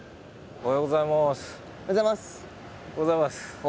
おはようございます。